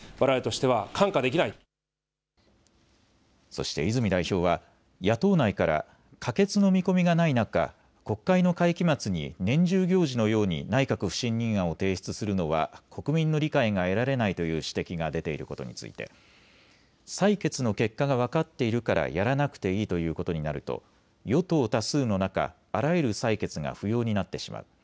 そして泉代表は野党内から可決の見込みがない中、国会の会期末に年中行事のように内閣不信任案を提出するのは国民の理解が得られないという指摘が出ていることについて採決の結果が分かっているからやらなくていいということになると与党多数の中、あらゆる採決が不要になってしまう。